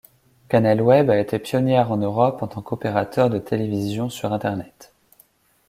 CanalWeb a été pionnière en Europe en tant qu'opérateur de télévision sur Internet.